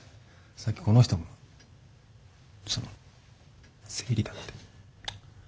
さっきこの人もその生理だって。